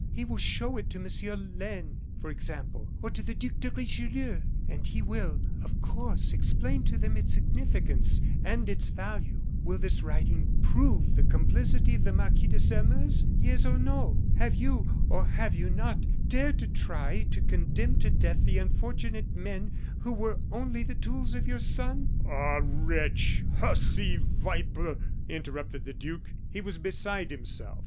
He will show it to Monsieur Laine, for example or to the Duc de Richelieu; and he will, of course, explain to them its significance and its value. Will this writing prove the complicity of the Marquis de Sairmeuse? Yes, or no? Have you, or have you not, dared to try and to condemn to death the unfortunate men who were only the tools of your son?" "Ah, wretch! hussy! viper!" interrupted the duke. He was beside himself.